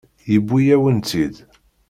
Yewwi-yawen-tt-id.